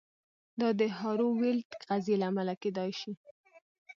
دا د هارو ویلډ قضیې له امله کیدای شي